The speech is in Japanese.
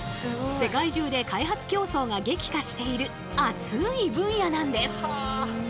世界中で開発競争が激化している熱い分野なんです！